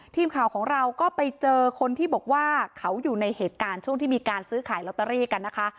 ทีมข่าวของเราก็ไปเจอคนที่บอกว่าเขาอยู่ในเหตุการณ์ช่วงที่มีการซื้อขายลอตเตอรี่กันนะคะ